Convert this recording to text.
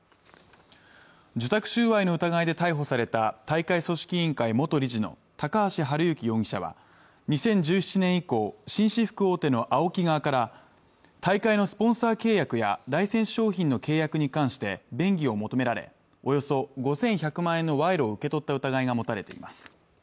受託収賄の疑いで逮捕された大会組織委員会元理事の高橋治之容疑者は２０１７年以降紳士服大手のＡＯＫＩ側から大会のスポンサー契約やライセンス商品の契約に関して便宜を求められおよそ５１００万円の賄賂を受け取った疑いが持たれています